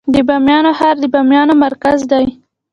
د بامیان ښار د بامیان مرکز دی